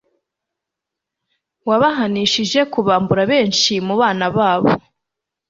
wabahanishije kubambura benshi mu bana babo